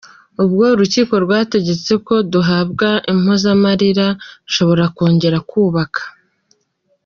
Ubwo urukiko rwategetse ko duhabwa impozamarira, nshobora kongera kubaka.